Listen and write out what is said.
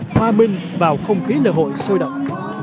hòa minh vào không khí lễ hội sôi động